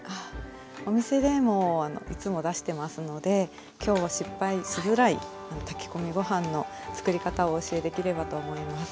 お店でもいつも出してますので今日は失敗しづらい炊き込みご飯の作り方をお教えできればと思います。